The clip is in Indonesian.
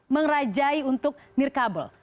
mengrajai untuk nirkabel